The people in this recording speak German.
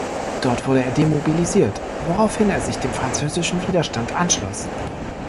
Dort wurde er demobilisiert, woraufhin er sich dem französischen Widerstand anschloss.